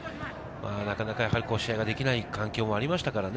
なかなか試合ができない環境もありましたからね。